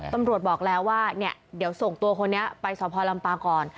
ตำรวจบอกแล้วว่าเนี่ยเดี๋ยวส่งตัวคนนี้ไปสพลำปางก่อน